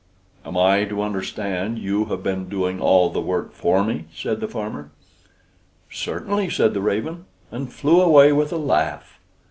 "Am I to understand you have been doing all the work for me?" said the farmer. "Certainly," said the raven, and flew away with a laugh.